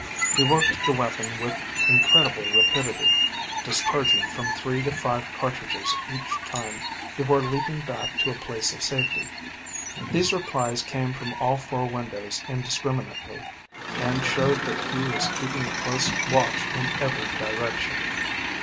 He worked the weapon with incredible rapidity, discharging from three to five cartridges each time before leaping back to a place of safety. These replies came from all four windows indiscriminately, and showed that he was keeping a close watch in every direction.